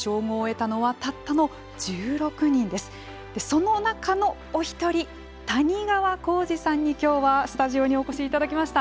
その中のお一人谷川浩司さんに今日はスタジオにお越しいただきました。